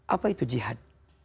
apa itu jihad